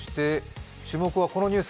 注目はこのニュース。